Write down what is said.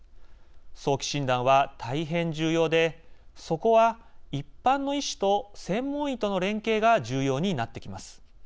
早期診断は大変重要でそこは、一般の医師と専門医との連携が重要になってきます。